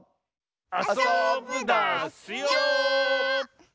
あそぶダスよ！